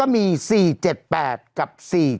มี๔๗๘กับ๔๗